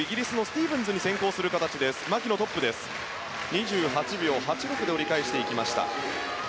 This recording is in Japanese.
２８秒８６で折り返しました。